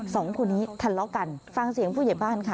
สองคนนี้ทะเลาะกันฟังเสียงผู้ใหญ่บ้านค่ะ